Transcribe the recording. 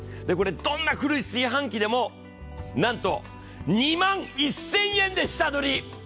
どんな古い炊飯器でもなんと２万１０００円で下取り。